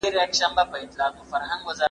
څېړونکي باید په دقت سره کار وکړي.